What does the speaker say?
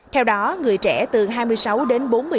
theo đó người trẻ từ hai mươi tuổi đến hai mươi tuổi